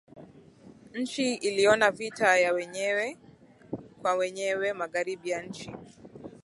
nchi iliona vita ya wenyewe kwa wenyewe magharibi ya nchi